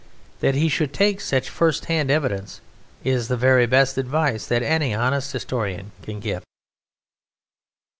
That he should take such first hand evidence is the very best advice that any honest historian can give.